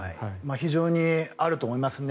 非常にあると思いますね。